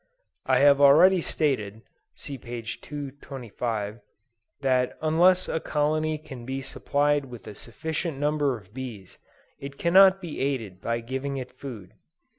I have already stated, (see p. 225,) that unless a colony can be supplied with a sufficient number of bees, it cannot be aided by giving it food.